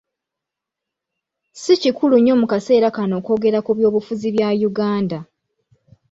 Si kikulu nnyo mu kaseera kano okwogera ku byobufuzi bya Uganda.